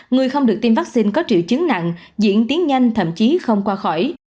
người không được tiêm vaccine có triệu chứng nặng diễn tiến nhanh thậm chí không qua khỏi